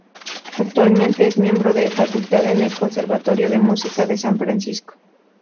Actualmente es miembro de Facultad en el Conservatorio de música de San Francisco.